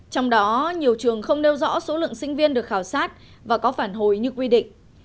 trong đó nhiều trường không nêu rõ số lượng sinh viên được khảo sát và có phản hồi như quy định